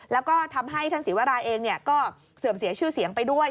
แล้วก็ทำให้ท่านศรีวราเองก็เสื่อมเสียชื่อเสียงไปด้วย